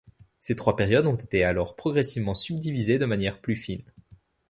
Ces trois périodes ont été alors progressivement subdivisées de manière plus fine.